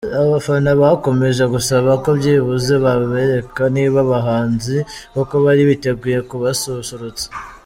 Abafana bakomeje gusaba ko byibuze babereka niba abahanzi koko bari biteguye kubasusurutsa.